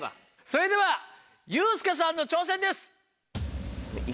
それではユースケさんの挑戦です。